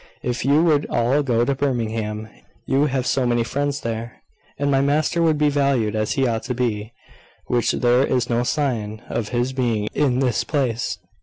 If you would all go to Birmingham, you have so many friends there, and my master would be valued as he ought to be; which there is no sign of his being in this place.